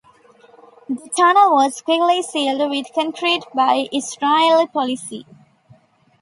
The tunnel was quickly sealed with concrete by Israeli police.